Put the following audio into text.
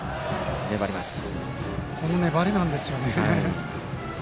この粘りなんですよね。